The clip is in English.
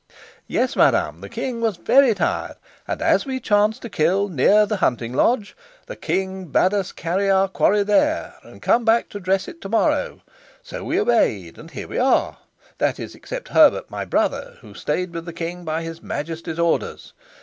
"Yes, madam, the king was very tired, and as we chanced to kill near the hunting lodge, the king bade us carry our quarry there, and come back to dress it to morrow; so we obeyed, and here we are that is, except Herbert, my brother, who stayed with the king by his majesty's orders.